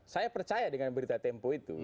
saya percaya dengan berita tempo itu